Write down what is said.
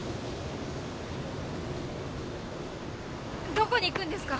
どこに行くんですか？